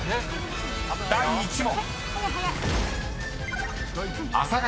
［第１問］